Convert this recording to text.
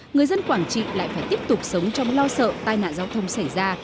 người dân quảng trị lại phải tiếp tục sống trong lo sợ tai nạn giao thông xảy ra